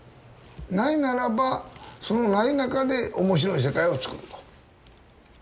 ないならばそのない中で面白い世界をつくると。